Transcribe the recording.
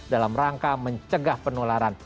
dalam rangka mencegah penularan